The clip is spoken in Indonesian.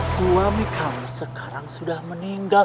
suami kamu sekarang sudah meninggal